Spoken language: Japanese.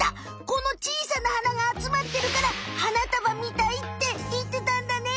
このちいさな花があつまってるから花たばみたいっていってたんだね！